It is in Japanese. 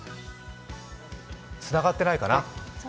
つながってないかな？